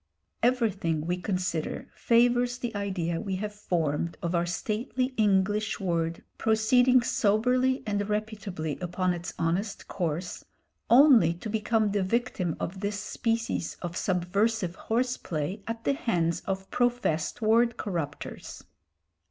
Everything, we consider, favours the idea we have formed of our stately English word proceeding soberly and reputably upon its honest course only to become the victim of this species of subversive horse play at the hands of professed word corrupters.